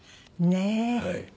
ねえ。